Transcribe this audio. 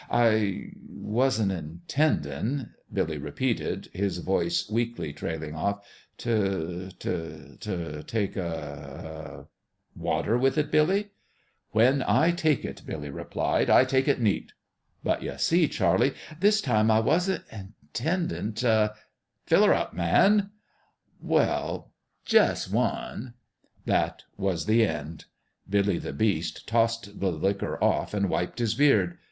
" I wasn't intendin'," Billy repeated, his voice weakly trailing off, " t' t' t' take a a "" Water with it, Billy ?"" When I take it," Billy replied, " I take it neat. But, ye see, Charlie this time I wasn't intendin' t' " n8 BILLY the BEAST STARTS HOME " Fill her up, man !"" Wel 1 11, jus' one !" That was the end. Billy the Beast tossed the liquor off and wiped his beard.